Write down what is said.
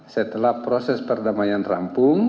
setelah proses perdamaian rampung